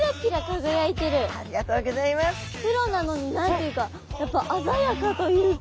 黒なのに何て言うかやっぱ鮮やかというか。